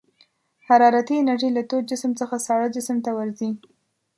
حرارتي انرژي له تود جسم څخه ساړه جسم ته ورځي.